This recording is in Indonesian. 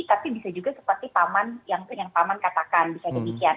tapi bisa juga seperti paman yang paman katakan bisa demikian